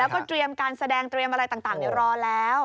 แล้วก็เตรียมการแสดงเตรียมอะไรต่างรอแล้ว